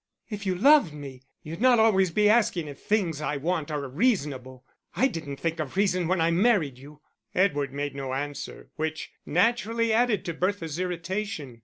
"If you loved me, you'd not always be asking if the things I want are reasonable. I didn't think of reason when I married you." Edward made no answer, which naturally added to Bertha's irritation.